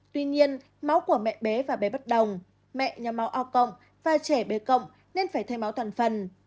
tuy nhiên máu của mẹ bé và bé bất đồng mẹ nhà máu o cộng và trẻ bé cộng nên phải thay máu toàn phần